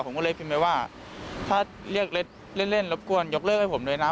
ผมก็เลยพิมพ์ไปว่าถ้าเรียกเล่นรบกวนยกเลิกให้ผมด้วยนะ